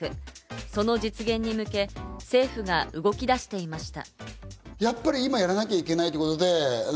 その実現に向け、政府が動き出していました。